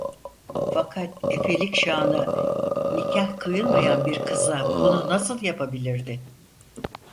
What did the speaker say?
Fakat efelik şanı, nikâh kıyılmayan bir kıza bunu nasıl yapabilirdi!